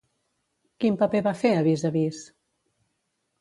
Quin paper va fer a Vis a vis?